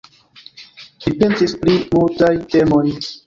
Li pentris pri multaj temoj.